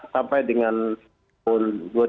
sampai dengan tahun